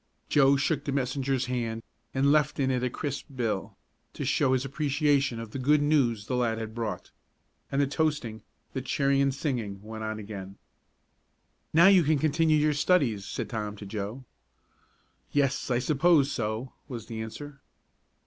Joe shook the messenger's hand and left in it a crisp bill, to show his appreciation of the good news the lad had brought. And the toasting, the cheering and singing went on again. "Now you can continue your studies," said Tom to Joe. "Yes, I suppose so," was the answer.